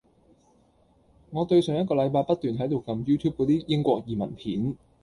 我對上一個禮拜不斷喺度撳 YouTube 嗰啲英國移民片